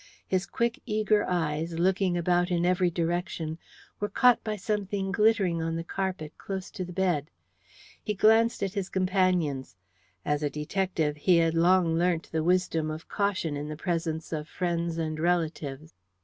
His quick, eager eyes, looking about in every direction, were caught by something glittering on the carpet, close to the bed. He glanced at his companions. As a detective, he had long learnt the wisdom of caution in the presence of friends and relatives.